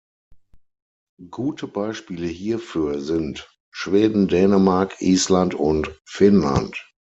Gute Beispiele hierfür sind Schweden, Dänemark, Island und Finnland.